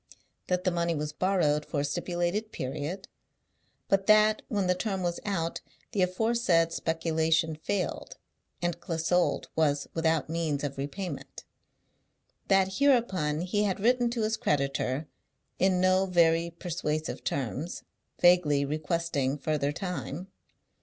That the money was borrowed for a stipulated period; but that, when the term was out, the aforesaid speculation failed, and Clissold was without means of repayment. That, hereupon, he had written to his creditor, in no very persuasive terms, vaguely requesting further time.